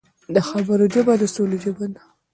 د خبرو ژبه د سولې ژبه ده